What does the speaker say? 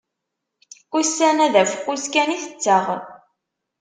Ussan-a d afeqqus kan i tetteɣ.